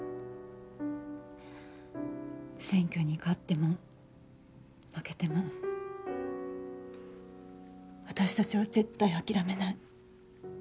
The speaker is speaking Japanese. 選挙に勝っても負けても私たちは絶対諦めない。